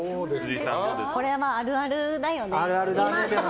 これは、あるあるだよね。